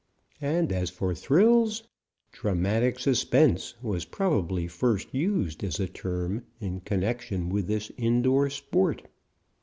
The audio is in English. And as for thrills! "Dramatic suspense" was probably first used as a term in connection with this indoor sport.